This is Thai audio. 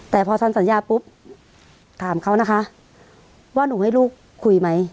แต่พอทันสัญญาปุ๊บถามเขานะคะว่าหนูให้ลูกคุยไหม